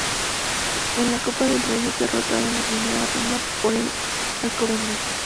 En la Copa del Rey es derrotado en la primera ronda por el Alcobendas.